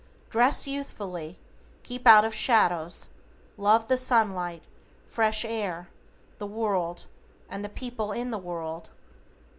Dress youthfully, keep out of shadows, love the sunlight, fresh air, the world, and the people in the world.